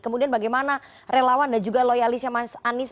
kemudian bagaimana relawan dan juga loyalisnya mas anies